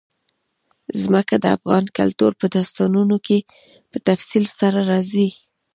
ځمکه د افغان کلتور په داستانونو کې په تفصیل سره راځي.